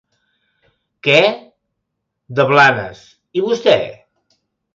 Què? De Blanes, i vostè?